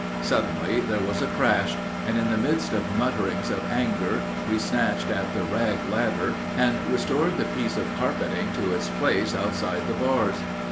Suddenly there was a crash, and in the midst of mutterings of anger we snatched in the rag ladder and restored the piece of carpeting to its place outside the bars.